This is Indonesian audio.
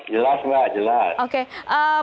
jelas mbak jelas